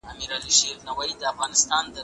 که ماشوم ته ارزښت ورکړو نو هغه وده کوي.